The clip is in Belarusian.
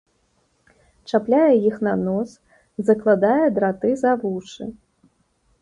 Чапляе іх на нос, закладае драты за вушы.